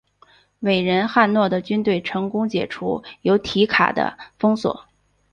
伟人汉诺的军队成功解除由提卡的封锁。